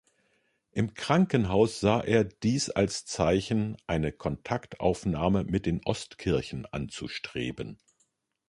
Im Krankenhaus sah er dies als Zeichen, eine Kontaktaufnahme mit den Ostkirchen anzustreben.